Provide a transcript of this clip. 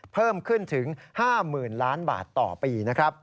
เพิ่มขึ้นถึง๕๐๐๐ล้านบาทต่อปี